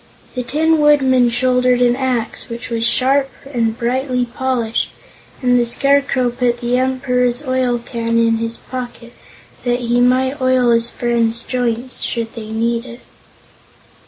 The Tin Woodman shouldered an axe which was sharp and brightly polished, and the Scarecrow put the Emperor's oil can in his pocket, that he might oil his friend's joints should they need it.